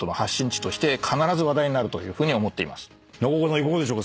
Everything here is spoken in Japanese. いかがでしょうか？